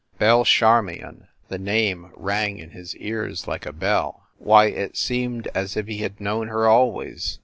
Belle Charmion! The name rang in his ears like a bell. Why, it seemed as if he had known her always!